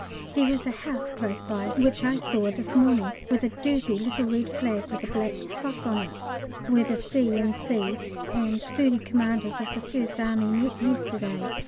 There is a house close by which I saw this morning with a dirty little red flag with a black cross on it, where the C. in C. and thirty commanders of the 1st Army met yesterday.